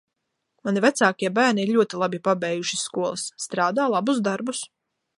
Mani vecākie bērni ir ļoti labi pabeiguši skolas, strādā labus darbus.